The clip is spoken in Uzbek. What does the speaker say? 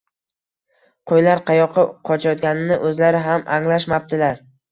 Qo’ylar qayoqqa qochayotganini o’zlari ham anglashmabdilar